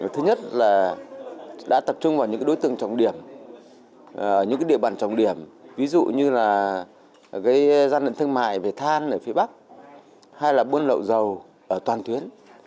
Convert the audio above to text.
thứ nhất là đã tập trung vào những đối tượng trọng điểm những địa bàn trọng điểm ví dụ như là gian lận thương mại về than ở phía bắc hay là buôn lậu dầu ở toàn tuyến